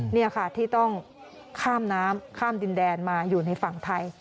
นี่ค่ะที่ต้องข้ามน้ำข้ามดินแดนมาอยู่ในฝั่งไทย